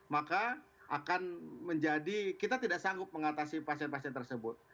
maka akan menjadi kita tidak sanggup mengatasi pasien pasien tersebut